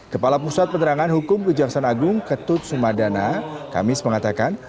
kepala pusat penerangan hukum kejaksanagung ketut sumadana kamis mengatakan